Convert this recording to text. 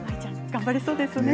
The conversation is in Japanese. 頑張れそうですね。